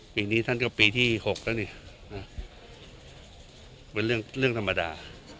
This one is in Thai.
ปีนี้ท่านก็ปีที่๖แล้วนี่เป็นเรื่องธรรมดา